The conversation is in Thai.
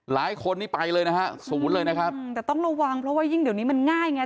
หลายคนนี้ไปเลยนะฮะศูนย์เลยนะครับอืมแต่ต้องระวังเพราะว่ายิ่งเดี๋ยวนี้มันง่ายไง